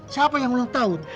siapa yang ulang tahun